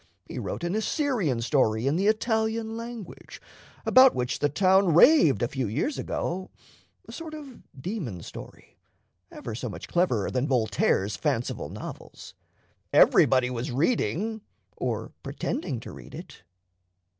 He wrote an Assyrian story in the Italian language, about which the town raved a few years ago a sort of demon story, ever so much cleverer than Voltaire's fanciful novels. Everybody was reading or pretending to read it."